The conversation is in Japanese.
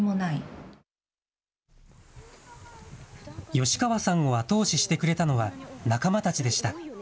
吉川さんを後押ししてくれたのは仲間たちでした。